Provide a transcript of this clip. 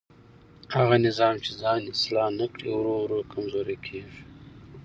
هغه نظام چې ځان اصلاح نه کړي ورو ورو کمزوری کېږي